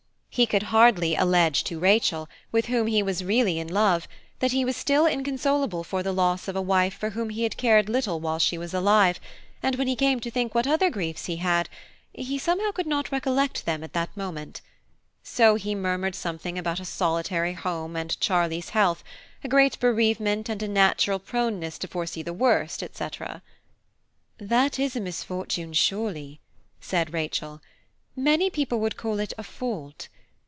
He could hardly allege to Rachel, with whom he was really in love, that he was still inconsolable for the loss of a wife for whom he had cared little while she was alive, and when he came to think what other griefs he had, he somehow could not recollect them at that moment; so he murmured something about a solitary home and Charlie's health, a great bereavement and a natural proneness to foresee the worst, &c. "That is a misfortune, certainly," said Rachel; "many people would call it a fault.